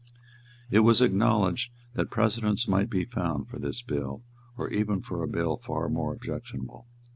It was acknowledged that precedents might be found for this bill, or even for a bill far more objectionable.